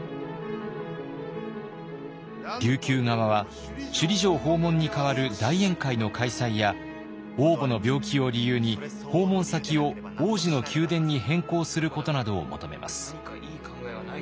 琉球側は首里城訪問に代わる大宴会の開催や王母の病気を理由に訪問先を王子の宮殿に変更することなどを求めます。